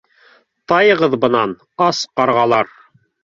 — Тайығыҙ бынан, ас ҡарғалар!